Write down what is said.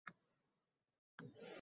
Yerdagi birinchi oqcharloq bo‘ldi.